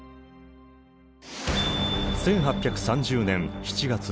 １８３０年７月。